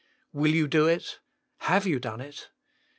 Will you do it ? Have you done it